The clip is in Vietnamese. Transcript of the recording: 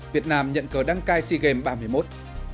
việt nam nhận cờ đăng cai sea games ba mươi một